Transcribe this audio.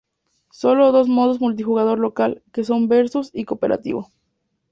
Sólo dos modos multijugador local, que son "Versus" y "Cooperativo".